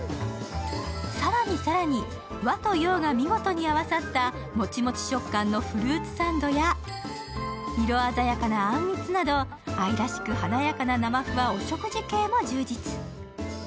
更に更に和と洋が見事に合わさったもちもち食感、色鮮やかなあんみつなど、愛らしく華やかな生麩は、お食事系も充実。